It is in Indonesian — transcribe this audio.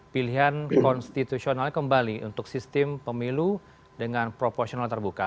pilihan konstitusionalnya kembali untuk sistem pemilu dengan proporsional terbuka